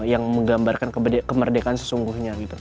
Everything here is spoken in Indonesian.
yang menggambarkan kemerdekaan sesungguhnya